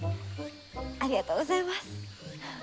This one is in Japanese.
ありがとうございます。